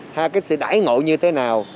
hay cái sự đải ngộ như thế nào